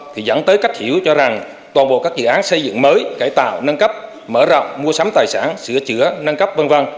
thì dẫn tới cách hiểu cho rằng toàn bộ các dự án xây dựng mới cải tạo nâng cấp mở rộng mua sắm tài sản sửa chữa nâng cấp v v